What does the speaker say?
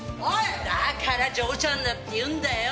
だから嬢ちゃんだっていうんだよ！